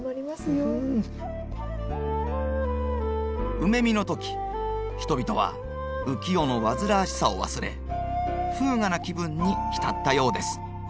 梅見の時人々は浮世の煩わしさを忘れ風雅な気分に浸ったようです。